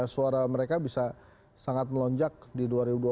suara mereka bisa sangat melonjak di dua ribu dua puluh